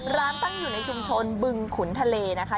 ร้านตั้งอยู่ในชุมชนบึงขุนทะเลนะคะ